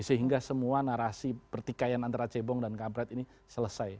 sehingga semua narasi pertikaian antara cebong dan kampret ini selesai